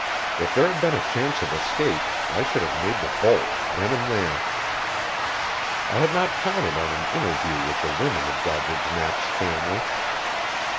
If there had been a chance of escape I should have made the bolt, then and there. I had not counted on an interview with the women of Doddridge Knapp's family.